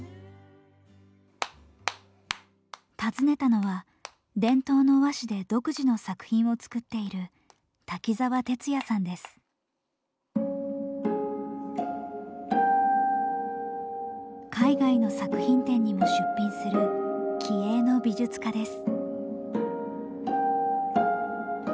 訪ねたのは伝統の和紙で独自の作品を作っている海外の作品展にも出品する気鋭の美術家です。